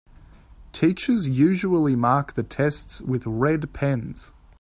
Teachers usually mark the tests with red pens.